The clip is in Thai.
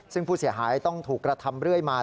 ซึ่งผู้เสียหายต้องถูกกระทำเรื่อยมา